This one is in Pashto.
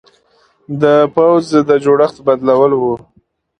د پوځ د جوړښت بدلول و.